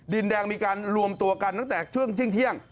ดินแดงมีการรวมตัวกันตั้งแต่ช่วงเที่ยง